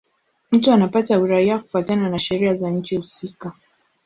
Mtu anapata uraia kufuatana na sheria za nchi husika.